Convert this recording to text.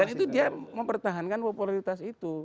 dan itu dia mempertahankan popularitas itu